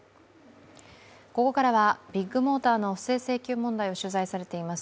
ここからはビッグモーターの不正請求問題を取材されています